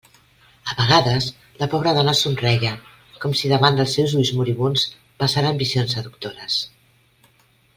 A vegades, la pobra dona somreia, com si davant dels seus ulls moribunds passaren visions seductores.